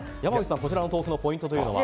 こちらの豆腐のポイントは？